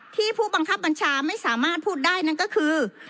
ผู้บังคับบัญชาไม่สามารถพูดได้นั่นก็คือ